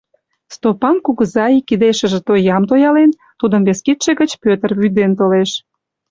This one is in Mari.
Стопан кугыза ик кидешыже тоям тоялен, тудым вес кидше гыч Пӧтыр вӱден толеш.